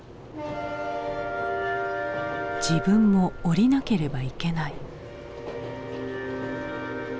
自分も降りなければいけない。